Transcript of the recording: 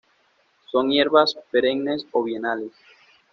Son hierbas perennes o bienales.